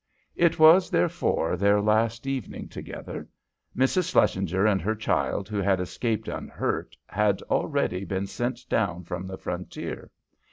It was, therefore, their last evening together. Mrs. Shlesinger and her child who had escaped unhurt had already been sent down from the frontier.